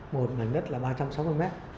một mảnh đất là ba trăm sáu mươi m